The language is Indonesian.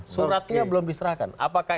suratnya belum diserahkan apakah